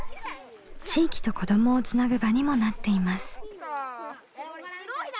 地域と子どもをつなぐ場にもなっています。